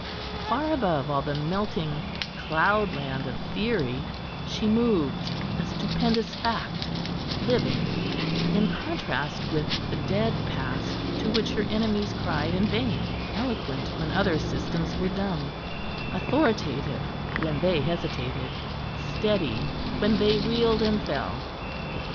Far above all the melting cloudland of theory she moved, a stupendous fact; living, in contrast with the dead past to which her enemies cried in vain; eloquent when other systems were dumb; authoritative when they hesitated; steady when they reeled and fell.